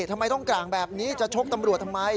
ทำไมต้องกลางแบบนี้จะชกตำรวจทำไม